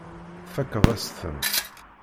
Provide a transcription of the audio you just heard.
Tfakkeḍ-as-ten.